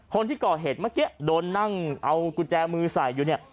คนที่ก่อเหตุเมื่อกี้โดนนั่งเอากุญแจมือใส่อยู่เนี่ย